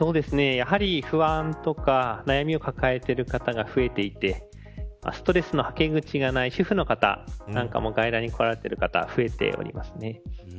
やはり不安とか悩みを抱えている方が増えていてストレスのはけ口がない主婦の方なんかも外来に来られる方が増えていますね。